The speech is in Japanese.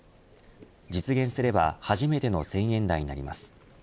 実現すれば、初めての１０００円台になります。